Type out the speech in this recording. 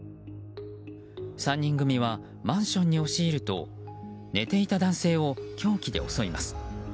３人組はマンションに押し入ると寝ていた男性を凶器で襲います。